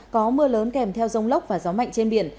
có mưa lớn kèm theo rông lốc và gió mạnh trên biển